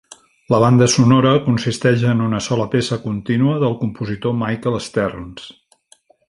La banda sonora consisteix en una sola peça contínua del compositor Michael Stearns.